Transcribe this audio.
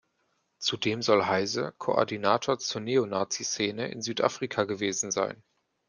Zudem soll Heise Koordinator zur Neonaziszene in Südafrika gewesen sein.